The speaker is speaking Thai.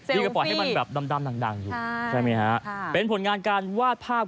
นี่ก็ปล่อยให้มันแบบดำดังอยู่ใช่ไหมฮะเป็นผลงานการวาดภาพ